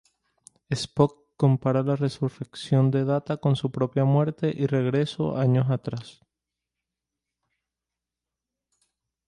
Spock compara la "resurrección" de Data con su propia muerte y regreso años atrás.